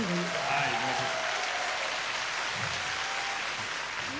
はいいきましょう。